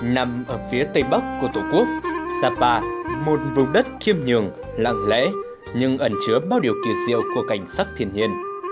nằm ở phía tây bắc của tổ quốc sapa một vùng đất kiêm nhường lặng lẽ nhưng ẩn chứa bao điều kỳ diệu của cảnh sắc thiên nhiên